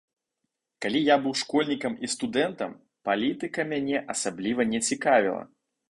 Калі я быў школьнікам і студэнтам, палітыка мяне асабліва не цікавіла.